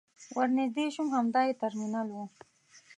ور نژدې شوم همدا يې ترمینل و.